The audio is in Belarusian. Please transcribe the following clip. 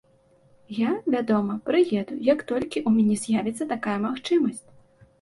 Я, вядома, прыеду, як толькі ў мяне з'явіцца такая магчымасць.